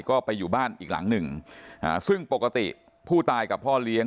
ก็ไปอยู่บ้านอีกหลังหนึ่งซึ่งปกติผู้ตายกับพ่อเลี้ยง